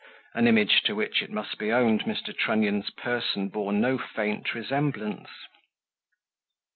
an image, to which, it must be owned, Mr. Trunnion's person bore no faint resemblance.